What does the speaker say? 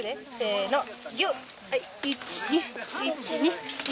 １、２、１、２。